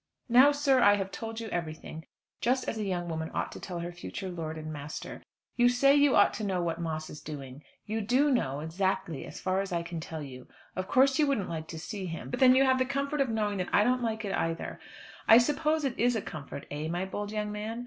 Now, sir, I have told you everything, just as a young woman ought to tell her future lord and master. You say you ought to know what Moss is doing. You do know, exactly, as far as I can tell you. Of course you wouldn't like to see him, but then you have the comfort of knowing that I don't like it either. I suppose it is a comfort, eh, my bold young man?